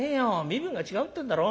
身分が違うってんだろ。